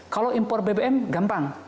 kalau impor bbm gampang